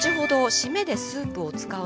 締めでスープを使うので